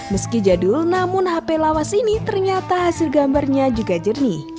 meski jadul namun hp lawas ini ternyata hasil gambarnya juga jernih